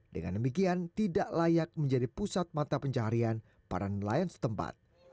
dengan demikian tidak layak menjadi pusat mata pencaharian para nelayan setempat